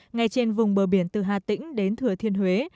ngay trên vùng bờ biển từ hà tĩnh đến thừa thiên huế